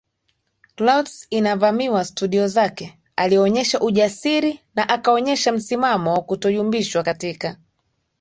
Clouds inavamiwa studio zake alionyesha ujasiri na akaonyesha msimamo wa kutoyumbishwa katika